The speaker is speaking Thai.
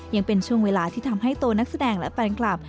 ยังเป็นช่วงเวลาที่ทำให้ตัวนักแสดงและแฟนคลับ